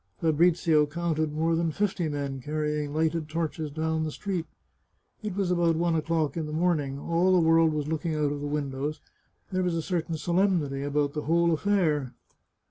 Fabrizio counted more than fifty men carry ing lighted torches down the street. It was about one o'clock in the morning, all the world was looking out of window, there was a certain solemnity about the whole affair.